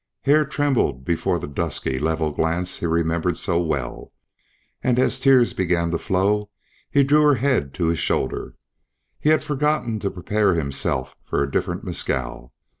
Hare trembled before the dusky level glance he remembered so well, and as tears began to flow he drew her head to his shoulder. He had forgotten to prepare himself for a different Mescal.